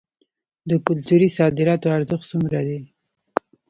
د کلتوري صادراتو ارزښت څومره دی؟